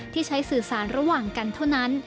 ที่ใช้สื่อสารระหว่างกันเท่านั้น